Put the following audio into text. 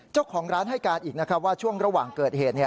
เจ้าของร้านให้การอีกนะครับว่าช่วงระหว่างเกิดเหตุ